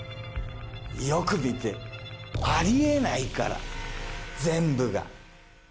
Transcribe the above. よく見てありえないから全部が。